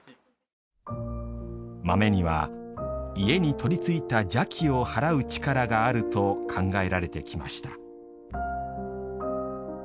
豆には、家にとりついた邪気を払う力があると考えられてきました。